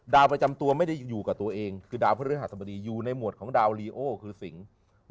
ประจำตัวไม่ได้อยู่กับตัวเองคือดาวพฤหัสบดีอยู่ในหมวดของดาวลีโอคือสิงศ์